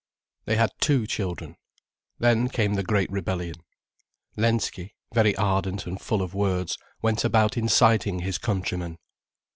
They had two children. Then came the great rebellion. Lensky, very ardent and full of words, went about inciting his countrymen.